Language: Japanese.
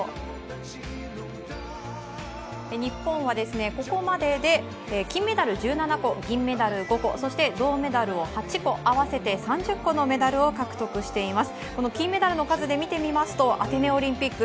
日本はここまでで、金メダル１７個、銀メダル５個、そして銅メダル８個、合わせて３０個のメダルを獲得しています。